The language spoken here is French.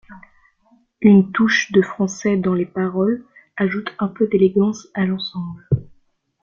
Une touche de français dans les paroles ajoute un peu d'élégance à l'ensemble.